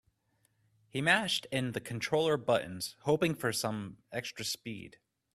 He mashed in the controller buttons, hoping for some extra speed.